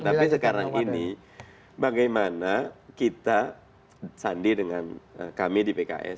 tapi sekarang ini bagaimana kita sandi dengan kami di pks